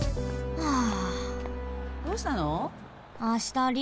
はあ。